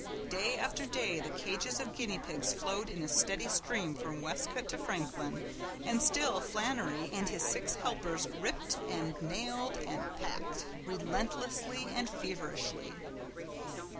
Day after day the cages of guineapigs flowed in a steady stream from Westcote to Franklin, and still Flannery and his six helpers ripped and nailed and packed relentlessly and feverishly.